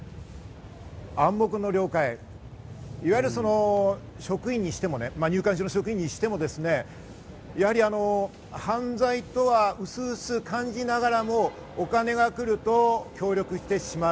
「暗黙の了解」、いわゆる職員にしても入管所の職員にしても犯罪とは薄々感じながらも、お金が来ると協力してしまう。